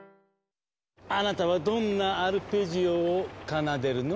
あなたはどんなアルペジオを奏でるの？